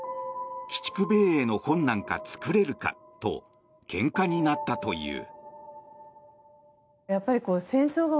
鬼畜米英の本なんか作れるかとけんかになったという。